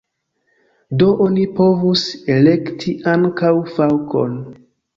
Do oni povus elekti ankaŭ faŭkon.